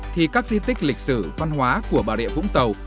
thì các di tích lịch sử văn hóa của bà địa vũng tàu